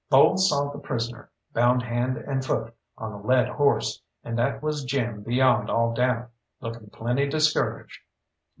Bowles saw the prisoner, bound hand and foot, on a led horse, and that was Jim beyond all doubt, looking plenty discouraged.